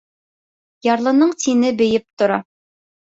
Ярлының тине бейеп тора.